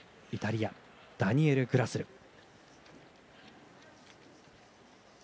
イタリアのダニエル・グラスル。